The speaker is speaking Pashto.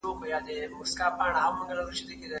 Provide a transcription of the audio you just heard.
د غریبانو حق ادا کول د زړه سکون دی.